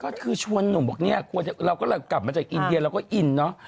ก็คือชวนหนุ่มบอกเนี่ยเราก็เลยกลับมาจากอินเดียเราก็อินเนอะ